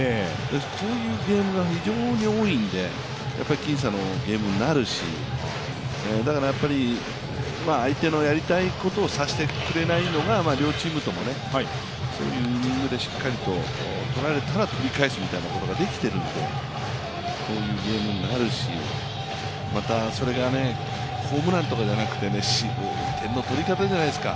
そういうゲームが非常に多いんで、僅差のゲームになるし、だから相手のやりたいことをさせてくれないのが両チームともイニングでしっかりと取られたら取り返すみたいなことができているのでこういうゲームになるし、またそれがホームランとかじゃなくて、渋い点の取り方じゃないですか。